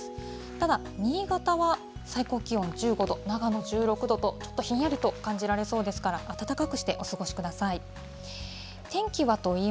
ただ、新潟は最高気温１５度、長野１６度と、ちょっとひんやりと感じられそうですから、暖かくしてお過ごしください。